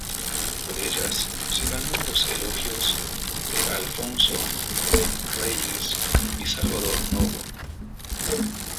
Por ellas, se ganó los elogios de Alfonso Reyes y Salvador Novo.